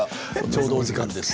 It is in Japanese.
ちょうどお時間です。